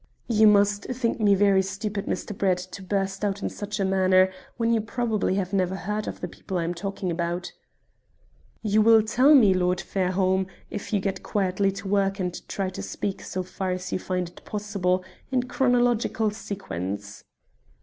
"You must think me very stupid, Mr. Brett, to burst out in such a manner when you probably have never heard of the people I am talking about." "You will tell me, Lord Fairholme, if you get quietly to work and try to speak, so far as you find it possible, in chronological sequence."